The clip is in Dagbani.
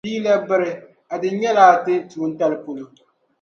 Bɛ yi lԑbi biri, a dini nyɛla a ti tuuntali polo ni.